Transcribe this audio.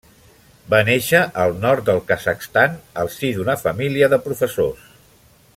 Va néixer al nord del Kazakhstan al si d'una família de professors.